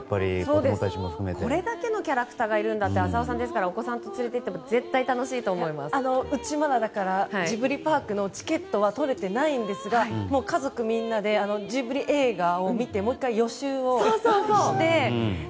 これだけのキャラクターがいるなら浅尾さん、お子さん連れて行ってもうち、まだジブリパークのチケットは取れていないんですが家族みんなでジブリ映画を見てもう１回、予習をして。